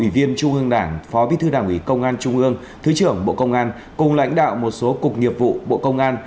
và phó bí thư đảng ủy công an trung hương thứ trưởng bộ công an cùng lãnh đạo một số cục nghiệp vụ bộ công an